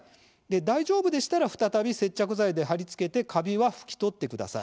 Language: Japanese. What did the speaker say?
大丈夫でしたら再び接着剤で張り付けてカビは拭き取ってください。